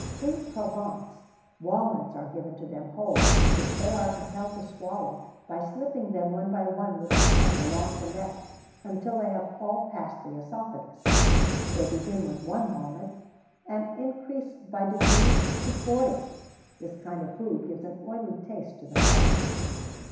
In Provence, walnuts are given to them whole, which they are compelled to swallow by slipping them one by one with the hand along the neck until they have all past the œsophagus; they begin with one walnut, and increase by degrees to forty. This kind of food gives an oily taste to the flesh.